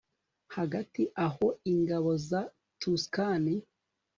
Hagati aho ingabo za Tuscan